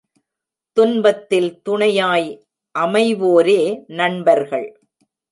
துன்பத்தில் துணையாய் அமைவோரே நண்பர்கள்.